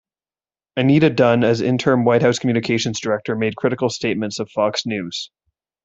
Anita Dunn, as interim White House Communications Director, made critical statements of Fox News.